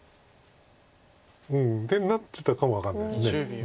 手になってたかも分かんないです。